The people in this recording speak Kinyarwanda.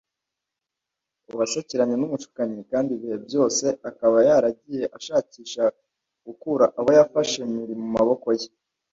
Uwasakiranye n’umushukanyi kandi ibihe byose akaba yaragiye ashakisha gukura abo yafashe mpiri mu maboko ye